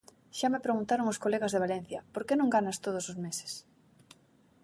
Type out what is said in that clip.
Xa me preguntaron os colegas de Valencia: "por que non ganas todos os meses?"